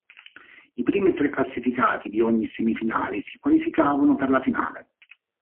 I primi tre classificati di ogni semifinale si qualificavano per la finale.